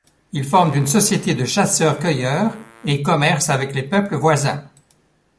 Ils forment une société de chasseurs cueilleurs et commercent avec les peuples voisins.